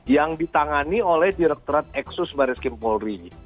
yang ditangani oleh direkturat eksus baris krim polri